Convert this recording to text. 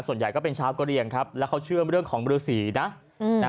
ส่วนใหญ่ก็เป็นชาวกะเรียงครับแล้วเขาเชื่อเรื่องของฤษีนะอืมนะ